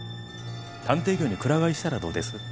探偵業にくら替えしたらどうです？